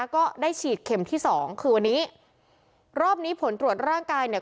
ก็ได้ฉีดเข็มที่สองคือวันนี้รอบนี้ผลตรวจร่างกายเนี่ย